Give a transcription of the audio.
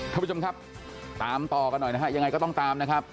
ท่านผู้ชมครับตามต่อกันหน่อยนะฮะยังไงก็ต้องตามนะครับ